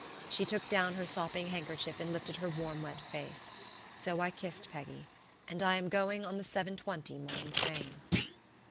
She took down her sopping handkerchief and lifted her warm, wet face. So I kissed Peggy. And I am going on the 7.20 morning train.